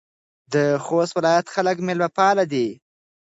د خوست ولایت خلک میلمه پاله دي.